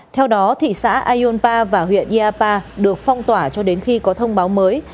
theo đó thị xã ayunpa và huyện yapa được phong tỏa cho đến khi có thông báo mới